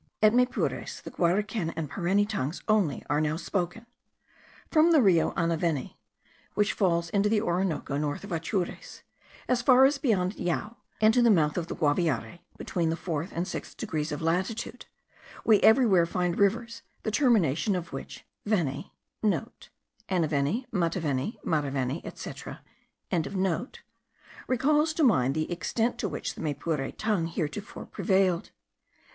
At Maypures the Guareken and Pareni tongues only are now spoken. From the Rio Anaveni, which falls into the Orinoco north of Atures, as far as beyond Jao, and to the mouth of the Guaviare (between the fourth and sixth degrees of latitude), we everywhere find rivers, the termination of which, veni,* (* Anaveni, Mataveni, Maraveni, etc.) recalls to mind the extent to which the Maypure tongue heretofore prevailed.